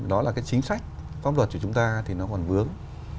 đó là cái chính sách pháp luật của chúng ta thì nó còn vướng